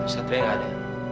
satria gak ada